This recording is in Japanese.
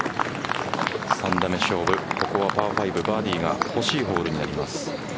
３打目勝負。、ここはパー５バーディーが欲しいホールになります。